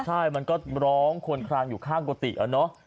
ใช่มันก็ร้องควนคลางอยู่ข้างกุฏิอะเนาะ